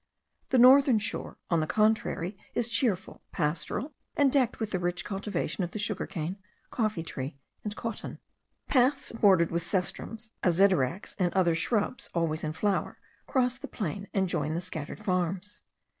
The northern shore on the contrary, is cheerful, pastoral, and decked with the rich cultivation of the sugar cane, coffee tree, and cotton. Paths bordered with cestrums, azedaracs, and other shrubs always in flower, cross the plain, and join the scattered farms.